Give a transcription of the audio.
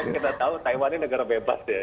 karena kita tahu taiwan ini negara bebas